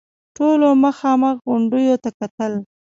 ټولو مخامخ غونډيو ته کتل.